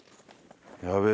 やべえ。